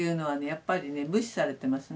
やっぱりね無視されてますね。